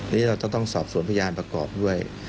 นี่เราจะต้องสอบสวนพยานประกอบด้วย